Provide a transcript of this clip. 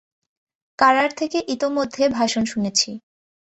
কারার থেকে ইতোমধ্যে ভাষণ শুনেছি।